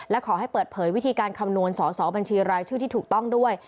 และขอให้เปิดเผยวิธีการคำนวณสอสอบัญชีรายชื่อที่ถูกต้องด้วย